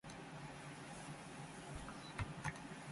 愛と理解が、社会を結ぶ力ですね。